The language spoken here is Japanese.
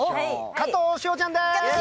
加藤史帆ちゃんです。